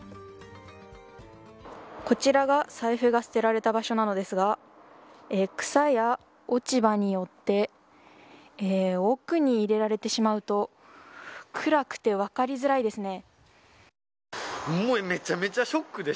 こちらが財布が捨てられた場所なのですが草や落ち葉によって奥に入れられてしまうと暗くて分かりづらいですね。